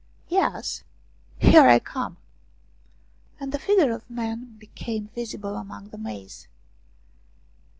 " Yes, here I come." And the figure of a man became visible among the maize.